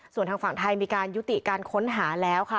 ส่วนทางฝั่งไทยมีการยุติการค้นหาแล้วค่ะ